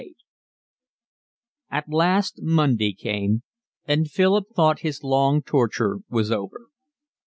LXXVIII At last Monday came, and Philip thought his long torture was over.